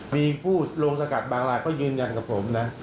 มีผู้ลงสกัดบางรายเขายืนยันกับผมนะ